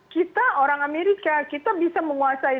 kita orang amerika kita bisa menguasai